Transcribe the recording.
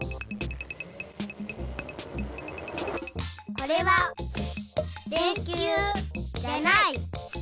これは電きゅうじゃない。